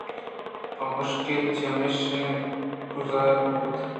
پہ مشکل چہ ہمیشی ءَ گزران بوت